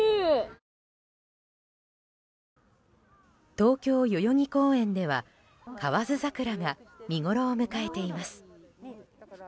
東京・代々木公園では河津桜が見ごろを迎えています。